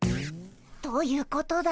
どういうことだい？